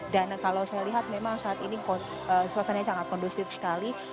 dan kalau saya lihat memang saat ini suasananya sangat kondusif sekali